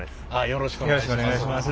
よろしくお願いします。